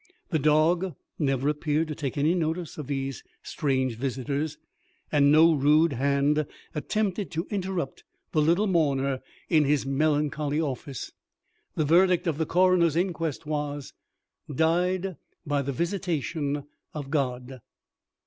The dog never appeared to take any notice of these strange visitors, and no rude hand attempted to interrupt the little mourner in his melancholy office. The verdict of the coroner's inquest was, "Died by the visitation of God."